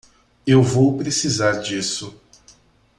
Eu vou precisar disso.